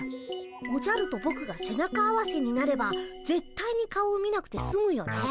おじゃるとぼくが背中合わせになればぜったいに顔を見なくてすむよね。